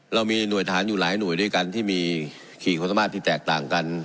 เรามีหน่วยทหารอยู่หลายหน่วยด้วยกันที่มีขี่ความสามารถที่แตกต่างกัน